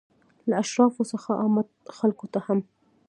له اشرافو څخه عامو خلکو ته هم.